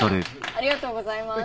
ありがとうございます。